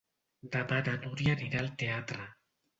Demà na Núria anirà al teatre.